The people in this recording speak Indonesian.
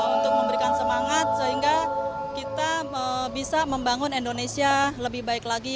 untuk memberikan semangat sehingga kita bisa membangun indonesia lebih baik lagi